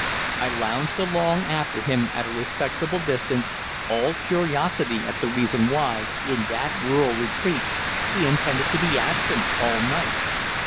I lounged along after him at a respectable distance, all curiosity at the reason why, in that rural retreat, he intended to be absent all night.